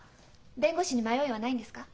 弁護士に迷いはないんですか？